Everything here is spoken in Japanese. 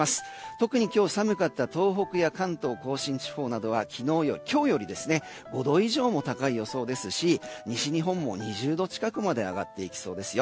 特に今日寒かった東北や関東・甲信地方などは今日より５度以上も高い予想ですし西日本も２０度近くまで上がっていきそうですよ。